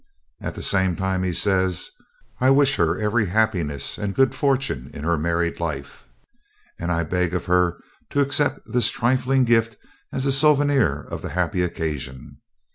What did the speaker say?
At the same time he says, 'I wish her every happiness and good fortune in her married life, and I beg of her to accept this trifling gift as a souvenir of the happy occasion.'